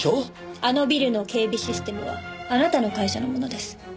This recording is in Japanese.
あのビルの警備システムはあなたの会社のものです。